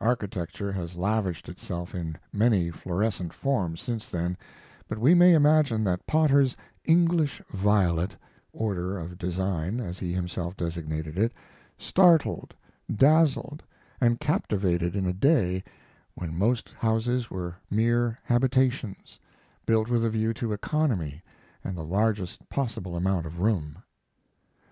Architecture has lavished itself in many florescent forms since then, but we may imagine that Potter's "English violet" order of design, as he himself designated it, startled, dazzled, and captivated in a day, when most houses were mere habitations, built with a view to economy and the largest possible amount of room.